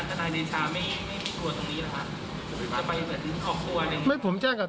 จะไปเหมือนออกตัวอะไรอย่างนี้